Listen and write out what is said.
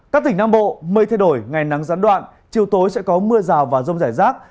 các tỉnh nam bộ mây thay đổi ngày nắng gián đoạn chiều tối sẽ có mưa rào và rông rải rác